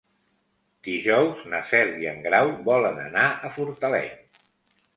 Dijous na Cel i en Grau volen anar a Fortaleny.